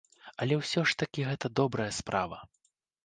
Але ўсё ж такі гэта добрая справа.